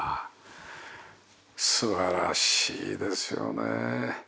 素晴らしいですよね。